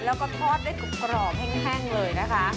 แล้วก็ทอดได้กรุบแห้งเลยนะคะ